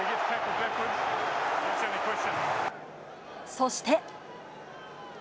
そして。